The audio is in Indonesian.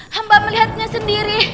hamba melihatnya sendiri